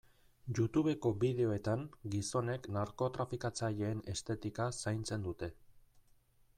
Youtubeko bideoetan gizonek narkotrafikatzaileen estetika zaintzen dute.